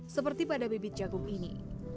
seperti pada bibit jagung ini